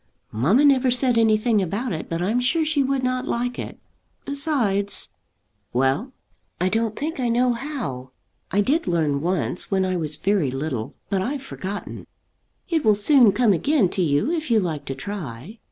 "Mamma never said anything about it, but I'm sure she would not like it. Besides " "Well " "I don't think I know how. I did learn once, when I was very little; but I've forgotten." "It will soon come again to you if you like to try.